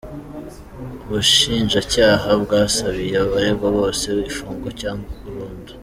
Ubushinjacyaha bwasabiye abaregwa bose igifungo cya burundu.